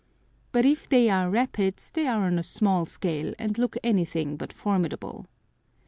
But if they are rapids, they are on a small scale, and look anything but formidable.